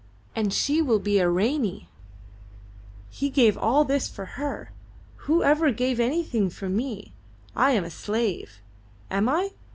And she will be a Ranee he gave all this for her! Who ever gave anything for me? I am a slave! Am I?